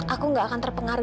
aku gak akan terpengaruh